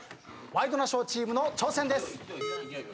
ワイドナショーチームの挑戦です。